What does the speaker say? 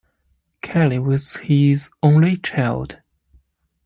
Kelly was his only child.